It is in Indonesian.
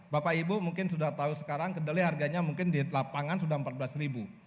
bapak ibu mungkin sudah tahu sekarang kedelai harganya mungkin di lapangan sudah empat belas ribu